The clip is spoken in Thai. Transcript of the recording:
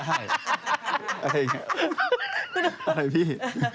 อะไรพี่